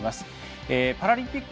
パラリンピック